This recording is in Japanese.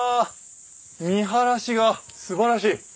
見晴らしがすばらしい。